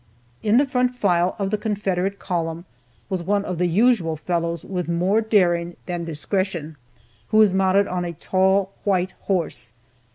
In the front file of the Confederate column was one of the usual fellows with more daring than discretion, who was mounted on a tall, white horse.